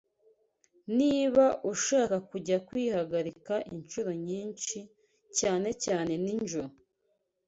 Niba ushaka kujya kwihagarika inshuro nyinshi cyane cyane ninjoro